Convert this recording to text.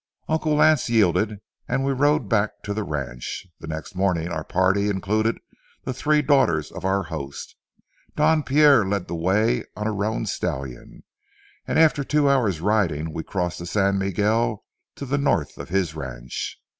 Uncle Lance yielded, and we rode back to the ranch. The next morning our party included the three daughters of our host. Don Pierre led the way on a roan stallion, and after two hours' riding we crossed the San Miguel to the north of his ranch.